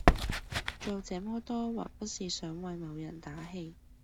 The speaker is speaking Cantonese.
做這麼多還不是想為某人打氣